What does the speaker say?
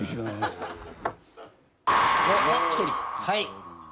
はい。